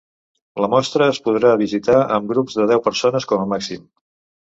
La mostra es podrà visitar amb grups de deu persones com a màxim.